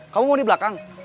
kamu mau di belakang